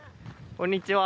こんにちは。